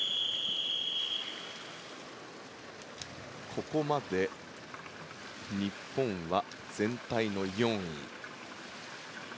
ここまで日本は全体の４位。